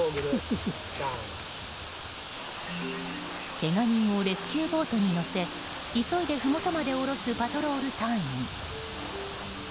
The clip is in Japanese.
けが人をレスキューボートに乗せ急いでふもとまで下ろすパトロール隊員。